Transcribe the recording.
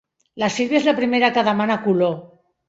La Sílvia és la primera que demana color.